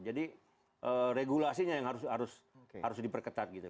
jadi regulasinya yang harus diperketat gitu